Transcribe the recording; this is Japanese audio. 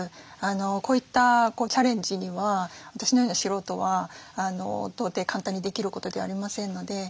こういったチャレンジには私のような素人は到底簡単にできることではありませんので。